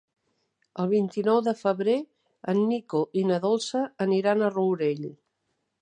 El vint-i-nou de febrer en Nico i na Dolça aniran al Rourell.